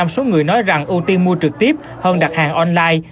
ba mươi bốn số người nói rằng ưu tiên mua trực tiếp hơn đặt hàng online